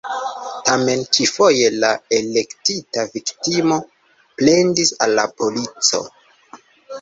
Tamen, ĉi-foje, la elektita viktimo plendis al la polico.